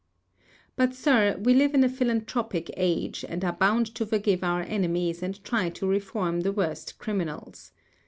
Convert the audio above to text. "But, Sir, we live in a philanthropic age, and are bound to forgive our enemies and try to reform the worst criminals.